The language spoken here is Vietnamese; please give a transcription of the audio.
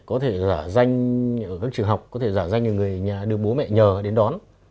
có thể giả danh ở các trường học có thể giả danh là người nhà được bố mẹ nhờ đến đón